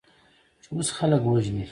چې اوس خلک وژنې؟